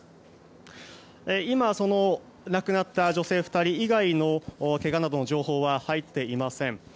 今、亡くなった女性２人以外のけがなどの情報は入っていません。